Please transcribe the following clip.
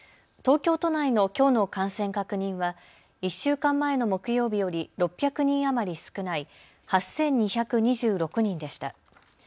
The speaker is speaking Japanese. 東京都内のきょうの感染確認は１週間前の木曜日より６００人余り少ない８２２６人でした。